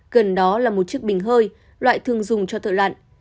gần đó là một chiếc bình hơi loại thường dùng cho thợ lặn